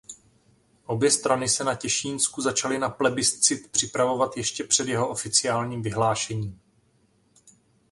Obě strany se na Těšínsku začaly na plebiscit připravovat ještě před jeho oficiálním vyhlášením.